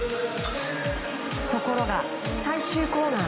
ところが最終コーナー。